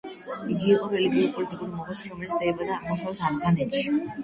იგი იყო რელიგიურ-პოლიტიკური მოღვაწე, რომელიც დაიბადა აღმოსავლეთ ავღანეთში.